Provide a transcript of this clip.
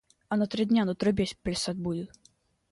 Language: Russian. Она три дня на трубе плясать будет.